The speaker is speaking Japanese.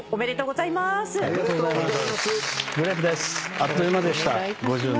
あっという間でした５０年。